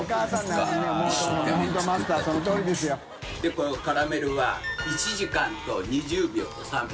このカラメルは１時間と２０秒３秒。